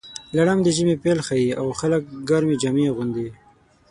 لړم د ژمي پیل ښيي، او خلک ګرمې جامې اغوندي.